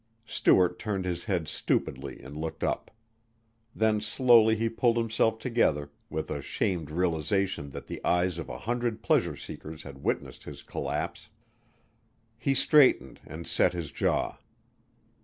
Stuart turned his head stupidly and looked up. Then slowly he pulled himself together, with a shamed realization that the eyes of a hundred pleasure seekers had witnessed his collapse. He straightened and set his jaw.